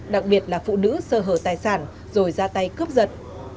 đặc biệt là phụ nữ sơ hở tài sản rồi ra tay cướp giật